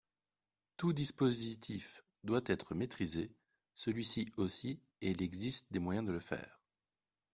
Tout dispositif doit être maîtrisé, celui-ci aussi, et il existe des moyens de le faire.